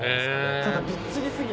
ただ、びっちりすぎて。